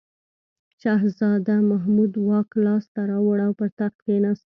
شهزاده محمود واک لاس ته راوړ او پر تخت کښېناست.